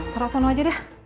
taruh di sana aja deh